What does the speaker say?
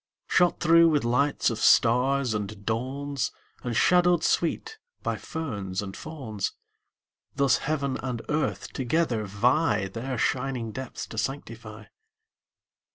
Shot through with lights of stars and dawns, And shadowed sweet by ferns and fawns, Thus heaven and earth together vie Their shining depths to sanctify.